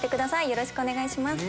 よろしくお願いします。